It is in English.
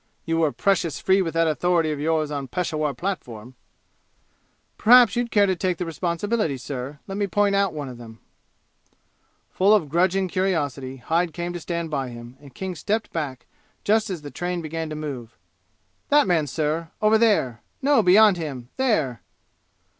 You were precious free with that authority of yours on Peshawur platform!" "Perhaps you'd care to take the responsibility, sir? Let me point out one of them." Full of grudging curiosity Hyde came to stand by him, and King stepped back just as the train began to move. "That man, sir over there no, beyond him there!"